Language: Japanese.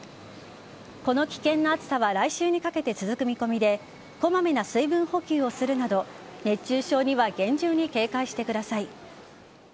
この危険な暑さは来週にかけて続く見込みでこまめな水分補給をするなど熱中症には厳重に警戒してください。